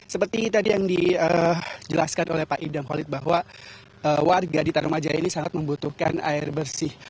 seperti tadi yang dijelaskan oleh pak idam holid bahwa warga di tarumajaya ini sangat membutuhkan air bersih